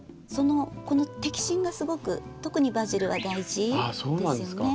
この摘心がすごく特にバジルは大事ですよね。